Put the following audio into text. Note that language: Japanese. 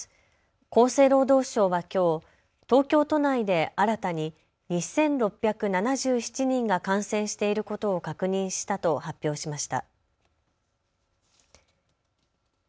厚生労働省はきょう東京都内で新たに２６７７人が感染していることを確認したと発表しました。